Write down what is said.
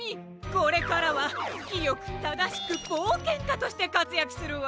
これからはきよくただしくぼうけんかとしてかつやくするわ！